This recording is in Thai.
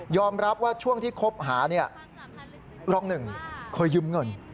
ยอมรับว่าช่วงที่คบหารองหนึ่งเคยยืมเงิน